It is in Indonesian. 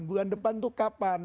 bulan depan itu kapan